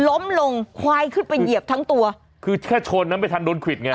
ล้มลงควายขึ้นไปเหยียบทั้งตัวคือแค่ชนนะไม่ทันโดนควิดไง